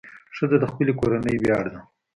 ښځه د خپلې کورنۍ ویاړ ده.